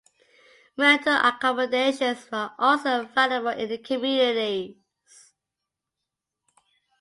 Rental accommodations are also available in the communities.